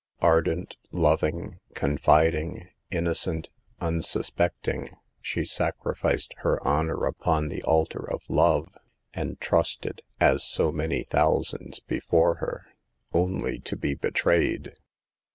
Ardent, loving, confiding, innocent, unsuspecting, she sacri ficed her honor upon the altar of love, and 110 SAVE THE GIRLS. trusted, as so many thousands before her, only to be betrayed.